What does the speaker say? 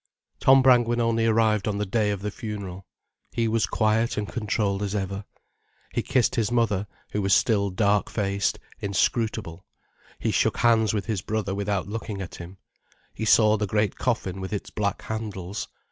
Tom Brangwen only arrived on the day of the funeral. He was quiet and controlled as ever. He kissed his mother, who was still dark faced, inscrutable, he shook hands with his brother without looking at him, he saw the great coffin with its black handles.